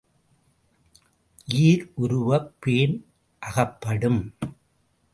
ஈர் உருவப் பேன் அகப்படும்.